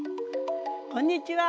こんにちは。